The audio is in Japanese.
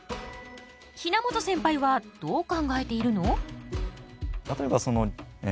比奈本センパイはどう考えているの？